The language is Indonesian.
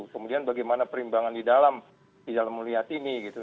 kemudian bagaimana perimbangan di dalam di dalam melihat ini gitu